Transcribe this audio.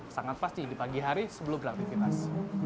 sangat pasti di pagi hari sebelum beraktivitas